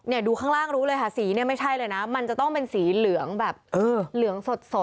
ดูข้างล่างรู้เลยค่ะสีเนี่ยไม่ใช่เลยนะมันจะต้องเป็นสีเหลืองแบบเหลืองสด